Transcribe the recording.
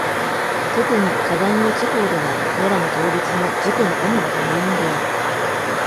特にカバンゴ地方では、野良の動物も事故の主な原因である。